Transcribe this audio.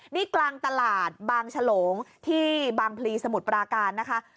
นี่กลางตลาดบางฉลงที่บางพลีสมุทรปราการนะคะ